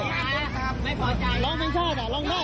เราเล่าเพลงฆาตเราเล่าได้